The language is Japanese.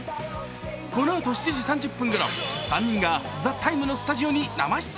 このあと７時３０分から３人が「ＴＨＥＴＩＭＥ，」のスタジオに生出演。